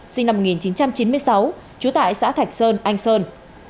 sinh năm một nghìn chín trăm chín mươi sáu trú tại xã thạch sơn anh sơn